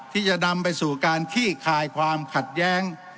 ที่จะนำไปสู่การขี้คายความขัดแย้ง